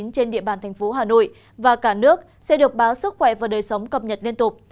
trên địa bàn thành phố hà nội và cả nước sẽ được báo sức khỏe và đời sống cập nhật liên tục